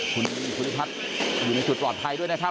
คุณภูริพัฒน์อยู่ในจุดปลอดภัยด้วยนะครับ